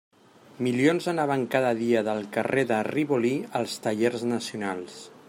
Milions anaven cada dia del carrer de Rivoli als tallers nacionals.